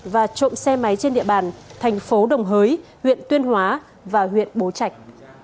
và trộm xe máy trên địa bàn thành phố đồng hới huyện tuyên hóa và huyện bố trạch